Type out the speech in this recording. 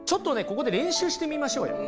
ここで練習してみましょうよ。